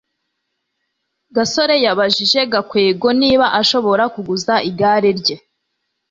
gasore yabajije gakwego niba ashobora kuguza igare rye